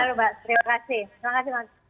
selamat tinggal mbak terima kasih